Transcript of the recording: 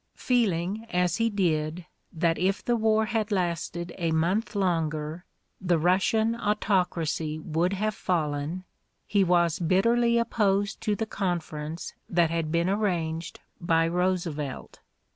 Feeling, as he did, that if the war had lasted a month longer the Russian autocracy would have fallen, he was bitterly opposed to the conference that had been arranged by Roosevelt.